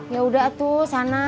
yaudah tuh sana